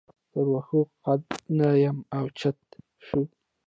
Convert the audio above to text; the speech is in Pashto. تر واښو قده نه یم اوچت شوی.